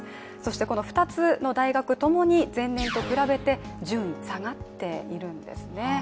この２つの大学、ともに前年と比べて順位が下がっているんです。